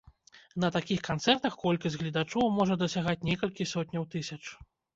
На такіх канцэртах колькасць гледачоў можа дасягаць некалькі сотняў тысяч.